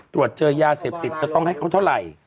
ตรวจเจอยาเสพติดจะต้องให้เขาเท่าไหร่